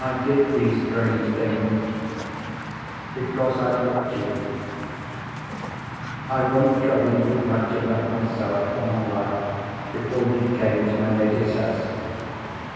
I did these strange things, because I loved you. "I won't trouble you with much about myself, or my life, before you came to my lady's house.